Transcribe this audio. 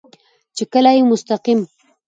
چې کله يې مستقيم